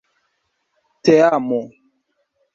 teamo